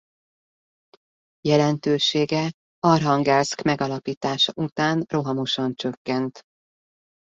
Jelentősége Arhangelszk megalapítása után rohamosan csökkent.